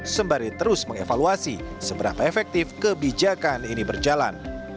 sembari terus mengevaluasi seberapa efektif kebijakan ini berjalan